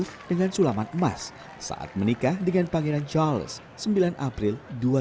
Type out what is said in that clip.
gaunnya dipilih kate middleton pangeran yang mencari panggilan emas saat menikah dengan pangeran charles sembilan april dua ribu lima